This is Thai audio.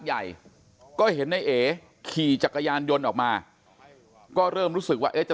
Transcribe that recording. ใหญ่ก็เห็นในเอขี่จักรยานยนต์ออกมาก็เริ่มรู้สึกว่าเอ๊ะจะ